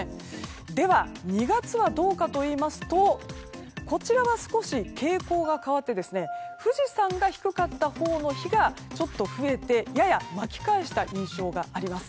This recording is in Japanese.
では、２月はどうかというとこちらは少し傾向が変わって富士山が低かったほうの日がちょっと増えてやや巻き返した印象があります。